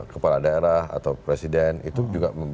kepala daerah atau presiden itu juga